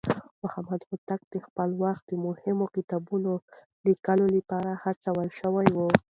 محمد هوتک د خپل وخت د مهمو کتابونو ليکلو لپاره هڅول شوی و.